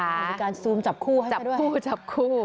มีการซูมจับคู่ให้ด้วยจับคู่จับคู่